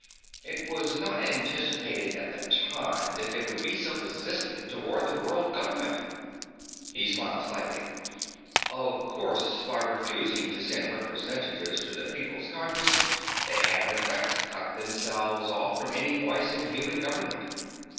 It was not anticipated at the time that they would be so resistant toward the World Government." He smiled slightly. "Of course, by refusing to send representatives to the People's Congress, they have, in effect, cut themselves off from any voice in human government."